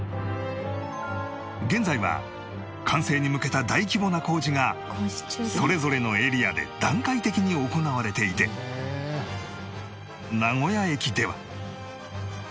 現在は完成に向けた大規模な工事がそれぞれのエリアで段階的に行われていて名古屋駅では